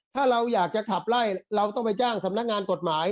ถ้าเราอยากจะขับไล่เราต้องไปจ้างสำนักงานกฎหมาย